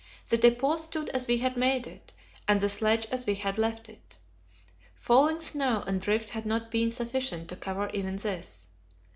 The depot stood as we had made it, and the sledge as we had left it. Falling snow and drift had not been sufficient to cover even this.